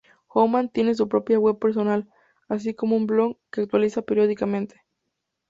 Hoffman tiene su propia web personal, así como un blog, que actualiza periódicamente.